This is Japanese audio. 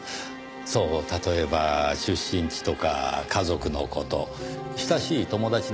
そう例えば出身地とか家族の事親しい友達など。